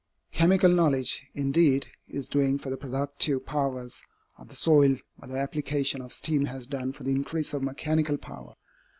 Chemical knowledge, indeed, is doing for the productive powers of the soil what the application of steam has done for the increase of mechanical power.